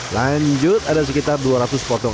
lanjut ada sekitar dua ratus kg ayam habis diborong